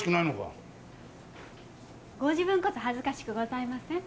ご自分こそ恥ずかしくございません？